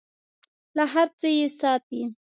له هر څه یې ساتي .